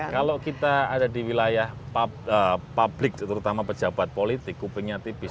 kalau kita ada di wilayah publik terutama pejabat politik kupingnya tipis